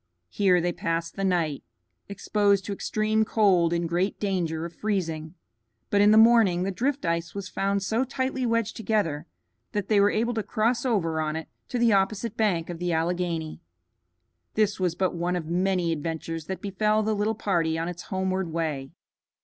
Here they passed the night, exposed to extreme cold, in great danger of freezing; but in the morning the drift ice was found so tightly wedged together that they were able to cross over on it to the opposite bank of the Alleghany. This was but one of many adventures that befell the little party on its homeward way.